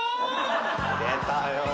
出たよ。